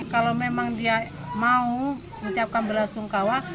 kalau memang dia mau menyebutkan bella sungkawa